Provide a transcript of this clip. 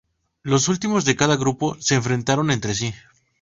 Los últimos de cada grupo se enfrentaron entre sí.